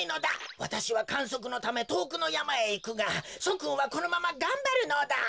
わたしはかんそくのためとおくのやまへいくがしょくんはこのままがんばるのだ。